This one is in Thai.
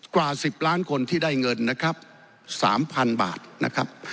กว่า๑๐ล้านคนที่ได้เงินนะครับ๓๐๐๐บาทนะครับ